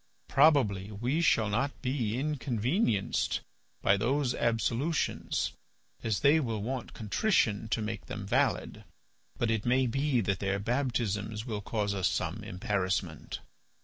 Probably we shall not be inconvenienced by those absolutions as they will want contrition to make them valid, but it may be that their baptisms will cause us some embarrassment.